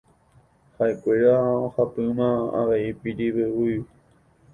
Haʼekuéra ohapýma avei Pirivevúi.